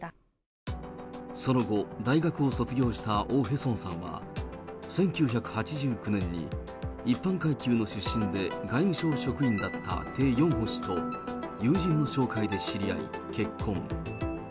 その後、大学を卒業したオ・ヘソンさんは、１９８９年に、一般階級の出身で外務省職員だったテ・ヨンホ氏と友人の紹介で知り合い、結婚。